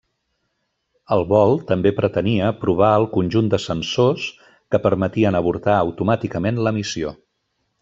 El vol també pretenia provar el conjunt de sensors que permetien avortar automàticament la missió.